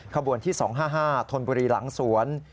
ขบวนที่๒๕๕ธนบุรีหลังสวน